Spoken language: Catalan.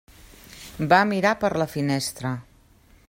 Va mirar per la finestra.